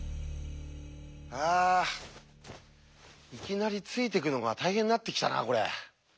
あいきなりついていくのが大変になってきたなこれ。